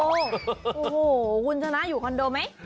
โอ้โหคุณชนะอยู่คอนโดไหม